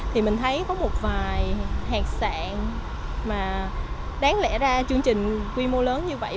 thì mình thấy có một vài hạt sạng mà đáng lẽ ra chương trình quy mô lớn như vậy